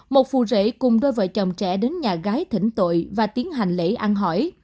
một phụ rễ cùng đôi vợ chồng trẻ đến nhà gái thỉnh tội và tiến hành lễ ăn hỏi